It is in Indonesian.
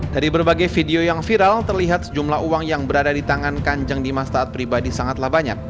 dari berbagai video yang viral terlihat sejumlah uang yang berada di tangan kanjeng di mas taat pribadi sangatlah banyak